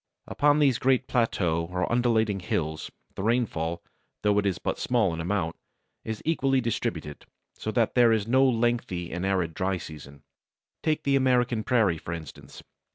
Upon these great plateaux or undulating hills the rainfall, though it is but small in amount, is equally distributed, so that there is no lengthy and arid dry season. Take the American Prairie, for instance.